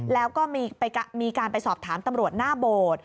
แล้วก็มีการไปสอบถามตำรวจหน้าโบสถ์